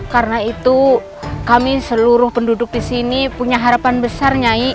karena itu kami seluruh penduduk di sini punya harapan besar nyai